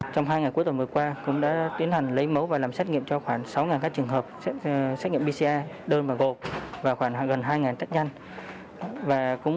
trong hai ngày cuối tuần vừa qua cũng đã tiến hành lấy mẫu và làm xét nghiệm cho khoảng sáu các trường hợp xét nghiệm pcr đơn và gộp và khoảng gần hai tất nhân